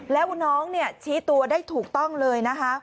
แล้วน้องเนี่ยชี้ตัวได้ถูกต้องเลยนะคะ